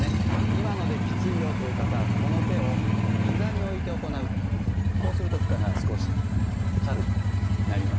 今のできついよという方はこの手をひざに置いて行うとこうすると負荷が少し軽くなります。